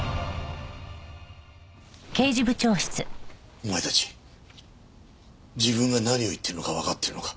お前たち自分が何を言っているのかわかっているのか？